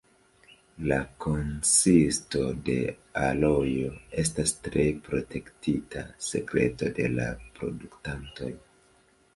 La konsisto de alojo estas tre protektita sekreto de la produktantoj.